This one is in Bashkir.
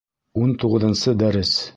Ун туғыҙынсы дәрес